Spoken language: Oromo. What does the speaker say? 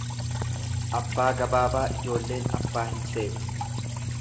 Abbaa gabaabaa ijoolleen abbaa hin seetu.